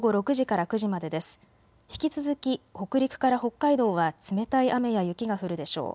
引き続き北陸から北海道は冷たい雨や雪が降るでしょう。